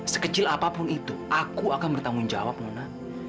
sekecil apapun itu aku akan bertanggung jawab mona